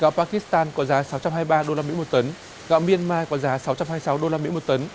gạo pakistan có giá sáu trăm hai mươi ba usd một tấn gạo myanmar có giá sáu trăm hai mươi sáu usd một tấn